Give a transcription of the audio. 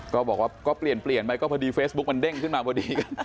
ก็บอกว่าเปลี่ยนไปก็พอดีเฟซบุ๊คมันเด้งขึ้นมาพอดี